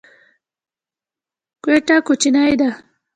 کوټه کوچنۍ ده.